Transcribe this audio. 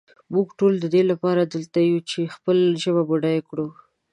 مونږ ټول ددې لپاره دلته یو چې خپله ژبه بډایه کړو.